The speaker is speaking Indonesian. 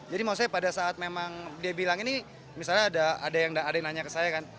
jadi maksudnya pada saat memang dia bilang ini misalnya ada yang nanya ke saya kan